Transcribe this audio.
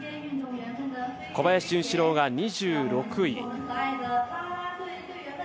小林潤志郎が２６位。